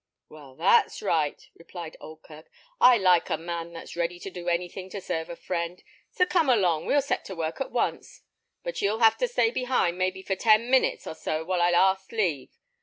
"Well, that's right," replied Oldkirk. "I like a man that's ready to do anything to serve a friend. So come along, we'll set to work at once; but you'll have to stay behind, maybe for ten minutes or so, while I ask leave.